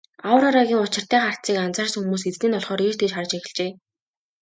Аврорагийн учиртай харцыг анзаарсан хүмүүс эзнийг нь олохоор ийш тийш харж эхэлжээ.